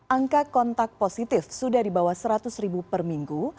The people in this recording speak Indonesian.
angka kontak positif sudah di bawah seratus ribu per minggu